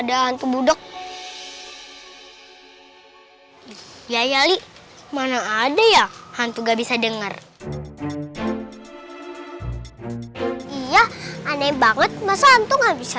ada hantu budeg ya ya li mana ada ya hantu gak bisa denger iya aneh banget masa hantu gak bisa